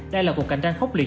đây là cuộc cạnh tranh khốc liệt